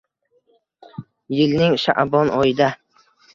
Yilning sha’bon oyida